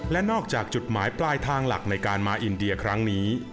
และนอกจากจุดหมายปลายทางหลักในการมาอินเดียครั้งนี้